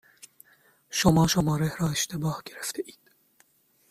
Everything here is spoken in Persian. شما شماره را اشتباه گرفتهاید.